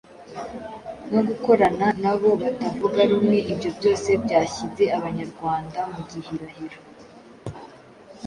no gukorana na bo batavuga rumwe, ibyo byose byashyize Abanyarwanda mu gihirahiro.